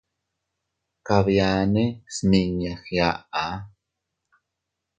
Kabiane smiña giaʼa.